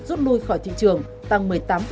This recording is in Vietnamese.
rút lui khỏi thị trường tăng một mươi tám